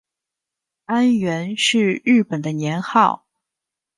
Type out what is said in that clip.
安元是日本的年号。